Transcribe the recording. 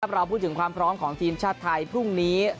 เราพูดถึงความพร้อมของทีมชาติไทยพรุ่งนี้